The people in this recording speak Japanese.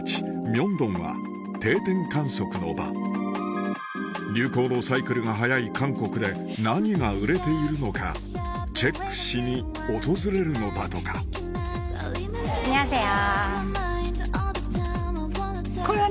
明洞は定点観測の場流行のサイクルが早い韓国で何が売れているのかチェックしに訪れるのだとかアンニョンハセヨ。